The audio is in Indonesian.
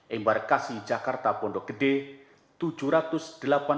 embarkasi jakarta pondok gede tujuh ratus delapan puluh enam orang dua kelompok terbang